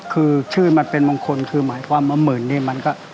คือชื่อมันเป็นมงคลคือหมายความว่าหมื่นนี่มันก็